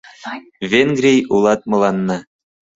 Венгрий, улат мыланна.